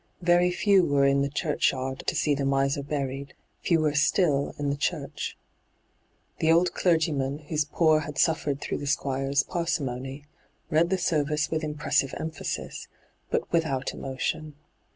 Very few were in the church yard to see the miser buried, fewer still in the church. The old clergyman, whose poor had suffered through the Squire's parsimony, read the service with impressive emphasis, but hyGoogIc 86 ENTRAPPED without emotion.